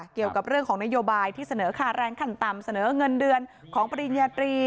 เกี่ยวกับเรื่องของนโยบายที่เสนอค่าแรงขั้นต่ำเสนอเงินเดือนของปริญญาตรี